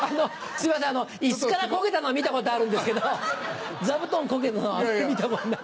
すいません椅子からコケたのは見たことあるんですけど座布団コケるのは見たことない。